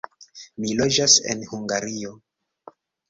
Mi loĝas en Hungario.